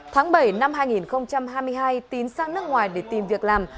tháng bảy năm hai nghìn hai mươi hai tín sang nước ngoài để tìm việc làm